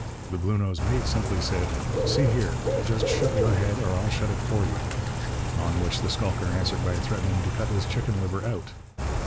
The Bluenose mate simply said, 'See here, just shut your head or I'll shut it for you,' on which the skulker answered by threatening to 'cut his chicken liver out.'